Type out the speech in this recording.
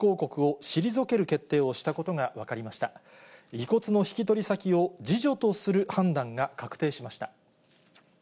遺骨の引き取り先を次女とする判断が確定しました。